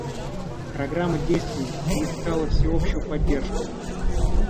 Программа действий снискала всеобщую поддержку.